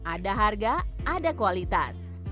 ada harga ada kualitas